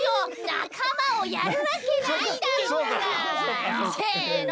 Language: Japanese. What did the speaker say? なかまをやるわけないだろうが！せの！